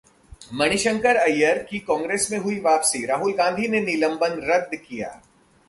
मणिशंकर अय्यर की कांग्रेस में हुई वापसी, राहुल गांधी ने निलंबन रद्द किया